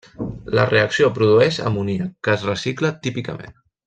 La reacció produeix amoníac, que es recicla típicament.